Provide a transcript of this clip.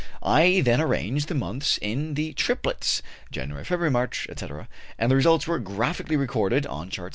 I then arranged the months in the triplets, January February March, etc.; and the results are graphically recorded on Chart 7.